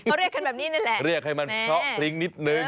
เขาเรียกกันแบบนี้นั่นแหละเรียกให้มันเพราะพริ้งนิดนึง